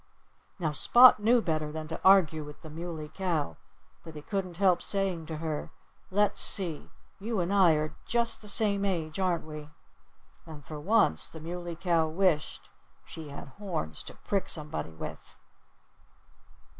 Now, Spot knew better than to argue with the Muley Cow. But he couldn't help saying to her, "Let's see! You and I are just the same age, aren't we?" And for once the Muley Cow wished she had horns to prick somebody with.